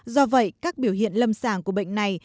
do vậy các biểu hiện lâm sàng của bệnh này